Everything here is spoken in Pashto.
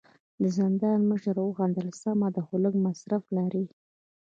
د زندان مشر وخندل: سمه ده، خو لږ مصرف لري.